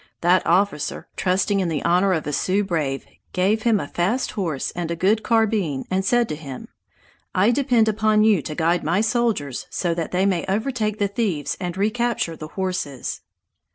That officer, trusting in the honor of a Sioux brave, gave him a fast horse and a good carbine, and said to him: "I depend upon you to guide my soldiers so that they may overtake the thieves and recapture the horses!"